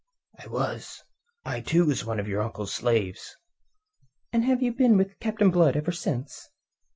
"I was. I, too, was one of your uncle's slaves." "And you have been with Captain Blood ever since?"